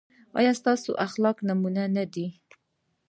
ایا ستاسو اخلاق نمونه نه دي؟